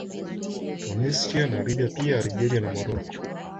Tunisia na Libya pia Algeria na Morocco